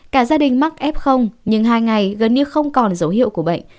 cả gia đình mắc f nhưng hai ngày gần như không còn dấu hiệu của bệnh